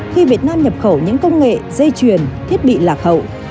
khi việt nam nhập khẩu những công nghệ dây chuyền thiết bị lạc hậu